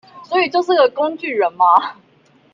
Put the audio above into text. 所以就是個工具人嘛